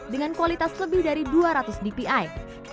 dengan kualitas lebih dari dua ratus dpi